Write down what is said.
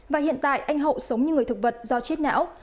và hiện tại anh hậu sống như người thực vật do chết não